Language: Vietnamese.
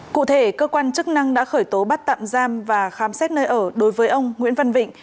cụ thể cơ quan chức năng đã khởi tố bắt tạm giam và khám xét nơi ở đối với ông nguyễn văn vịnh